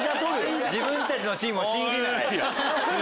自分たちのチームを信じない。